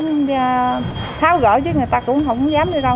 giáo gỡ chứ người ta cũng không dám đi ra ngoài